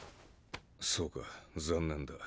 そうか残念だ。